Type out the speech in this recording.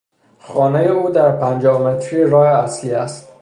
خانهی او در پنجاه متری راه اصلی است.